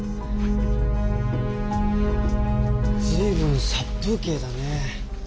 随分殺風景だねえ。